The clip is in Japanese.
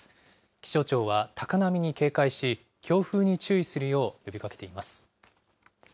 気象庁は、高波に警戒し、強風に注意するよう呼びかけています。